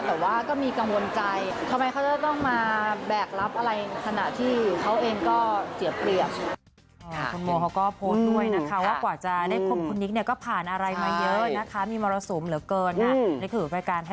แต่ว่าก็มีกังวลใจทำไมเขาจะต้องมาแบกรับอะไร